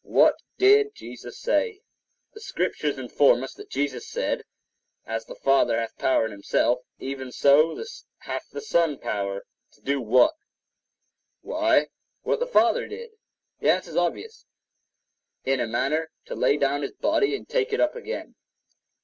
What did Jesus say? (Mark it, Elder Rigdon!) The Scriptures inform us that Jesus said, As the Father hath power in Himself, even so hath the Son power—to do what? Why, what the Father did. The answer is obvious—in a manner to lay down His body and take it up again.